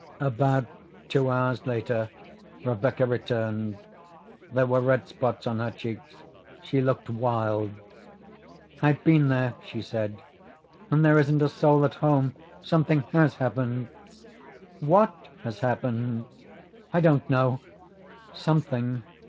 About two hours later Rebecca returned. There were red spots on her cheeks. She looked wild. "I've been there," she said, "and there isn't a soul at home. Something HAS happened." "What has happened?" "I don't know. Something.